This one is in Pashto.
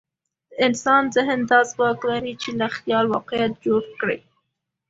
د انسان ذهن دا ځواک لري، چې له خیال واقعیت جوړ کړي.